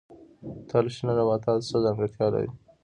تل شنه نباتات څه ځانګړتیا لري؟